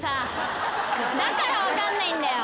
だから分かんないんだよ。